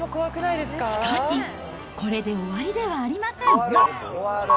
しかし、これで終わりではありません。